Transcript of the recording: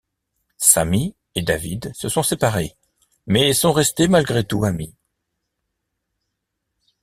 Sammy et David se sont séparés, mais sont restés malgré tout amis.